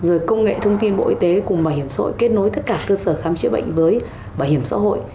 rồi công nghệ thông tin bộ y tế cùng bảo hiểm xã hội kết nối tất cả cơ sở khám chữa bệnh với bảo hiểm xã hội